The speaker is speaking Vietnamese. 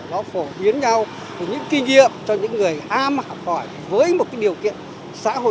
nó phổ biến nhau những kinh nghiệm cho những người am hạm hỏi với một điều kiện xã hội